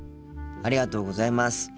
ありがとうございます。